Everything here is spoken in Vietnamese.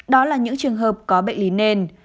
đó là những trường hợp không thể phủ nhận